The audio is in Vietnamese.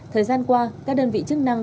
thời gian qua các đơn vị chức năng